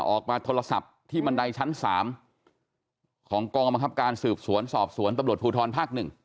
ออกมาโทรศัพท์ที่บันไดชั้น๓ของกองบังคับการสืบสวนสอบสวนตำรวจภูทรภาค๑